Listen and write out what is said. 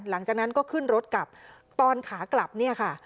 หลังจากนั้นก็ขึ้นรถกลับตอนขากลับเนี่ยค่ะ